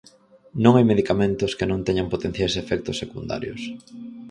Non hai medicamentos que non teñan potenciais efectos secundarios.